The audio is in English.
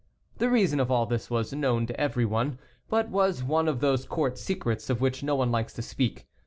The reason of all this was known to everyone, but was one of those court secrets of which no one likes to speak.